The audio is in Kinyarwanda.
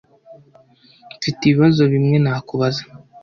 Mfite ibibazo bimwe nakubaza.